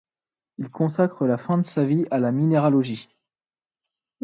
Il consacre la fin de sa vie à la minéralogie.